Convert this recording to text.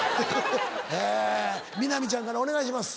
みなみちゃんからお願いします。